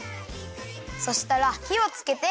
そしたらひをつけて。